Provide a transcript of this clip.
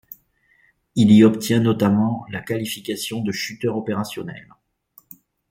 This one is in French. Il y obtient notamment la qualification de chûteur opérationnel.